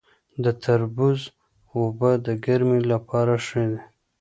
د تربوز اوبه د ګرمۍ لپاره ښې دي.